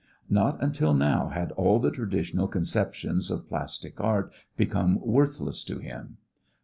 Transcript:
Not until now had all the traditional conceptions of plastic art become worthless to him.